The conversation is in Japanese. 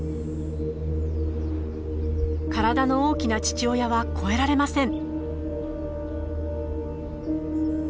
体の大きな父親は越えられません。